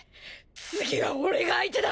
次は俺が相手だ！